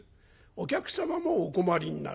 お客様もお困りになる。